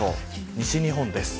西日本です。